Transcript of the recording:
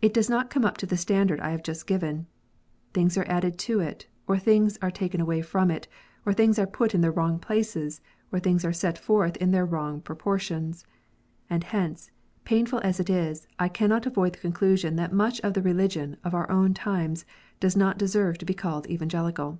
It does not come up to the standard I have just given. Things are added to it, or things are taken away, or things are put in their wrong places, or things are set forth in their wrong pro portions. And hence, painful as it is, I cannot avoid the conclusion that much of the religion of our own times does not deserve to be called Evangelical.